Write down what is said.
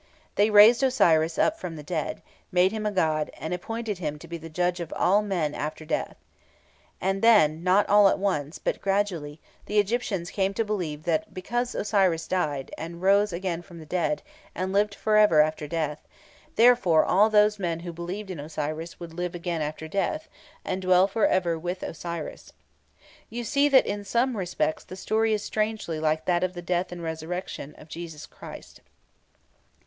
They raised Osiris up from the dead, made him a god, and appointed him to be judge of all men after death. And then, not all at once, but gradually, the Egyptians came to believe that because Osiris died, and rose again from the dead, and lived for ever after death, therefore all those men who believed in Osiris would live again after death, and dwell for ever with Osiris. You see that in some respects the story is strangely like that of the death and resurrection of Jesus Christ.